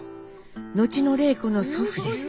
後の礼子の祖父です。